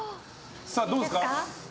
さあどうですか？